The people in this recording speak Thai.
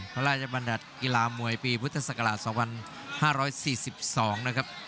พระราชบัญญัติกีฬามวยปีพุทธศักราช๒๕๔๒นะครับ